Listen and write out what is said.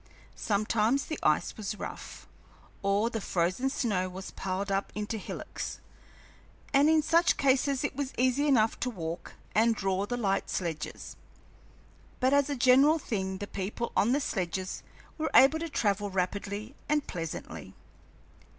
Sometimes the ice was rough, or the frozen snow was piled up into hillocks, and in such cases it was easy enough to walk and draw the light sledges; but as a general thing the people on the sledges were able to travel rapidly and pleasantly.